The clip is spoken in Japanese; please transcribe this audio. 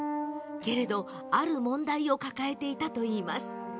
けれど、ある問題を抱えていたといいます。